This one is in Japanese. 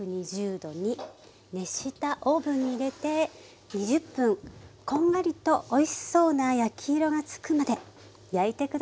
℃に熱したオーブンに入れて２０分こんがりとおいしそうな焼き色がつくまで焼いて下さい。